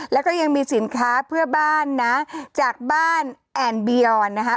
แล้วก็ยังมีสินค้าเพื่อบ้านนะจากบ้านแอนบียอนนะคะ